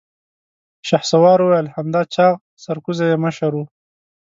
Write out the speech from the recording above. شهسوار وويل: همدا چاغ سرکوزی يې مشر و.